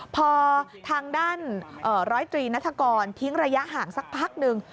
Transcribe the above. พอทางด้านร้อยตรีนัฐกรทิ้งระยะห่างสักพักหนึ่ง